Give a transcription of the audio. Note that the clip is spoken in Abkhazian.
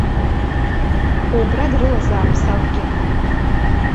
Убра дрылазаап сабгьы.